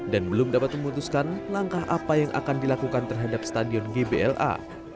dan belum dapat memutuskan langkah apa yang akan dilakukan terhadap stadion gbla